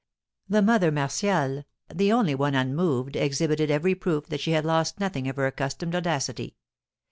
The Mother Martial, the only one unmoved, exhibited every proof that she had lost nothing of her accustomed audacity.